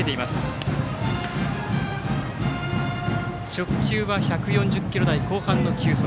直球は１４０キロ代後半の球速。